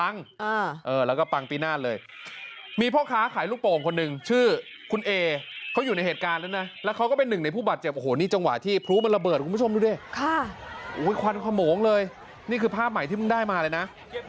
นี่คือภาพใหม่ที่มึงได้มาเลยนะ